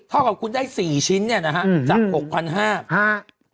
เท่ากับคุณได้๔ชิ้นเนี่ยนะฮะจาก๖๕๐๐บาท